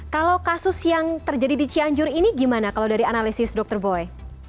kalau kasus yang terjadi di cianjur ini gimana kalau dari analisis dr boy